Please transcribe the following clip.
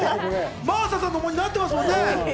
真麻さんのものになってますもんね。